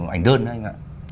ảnh đơn đó anh ạ